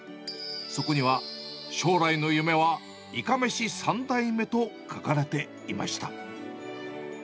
そこには、将来の夢はいかめし３代目と書かれていました。